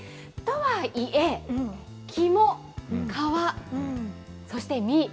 とはいえ、肝、皮、そして身。